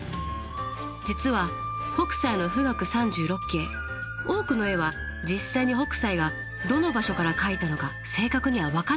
実は北斎の「冨嶽三十六景」多くの絵は実際に北斎がどの場所から描いたのか正確には分かっていないんだそうです。